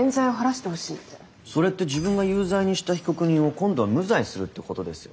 それって自分が有罪にした被告人を今度は無罪にするってことですよね？